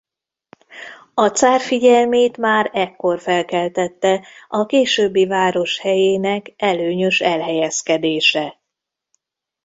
A cár figyelmét már ekkor felkeltette a későbbi város helyének előnyös elhelyezkedése.